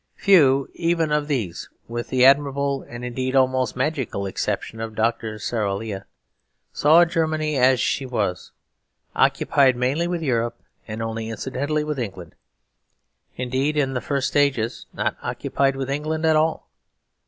Few even of these, with the admirable and indeed almost magical exception of Dr. Sarolea, saw Germany as she was; occupied mainly with Europe and only incidentally with England; indeed, in the first stages, not occupied with England at all.